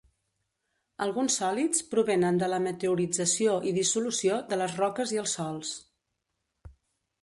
Alguns sòlids provenen de la meteorització i dissolució de les roques i els sòls.